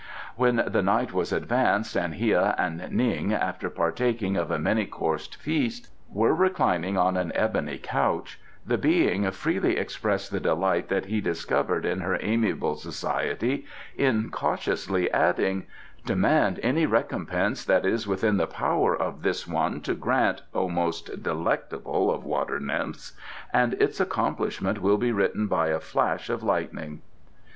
When the night was advanced and Hia and Ning, after partaking of a many coursed feast, were reclining on an ebony couch, the Being freely expressed the delight that he discovered in her amiable society, incautiously adding: "Demand any recompense that is within the power of this one to grant, O most delectable of water nymphs, and its accomplishment will be written by a flash of lightning."